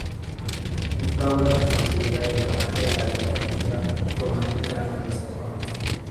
Esta obra se considera el arranque de la literatura romántica anglosajona.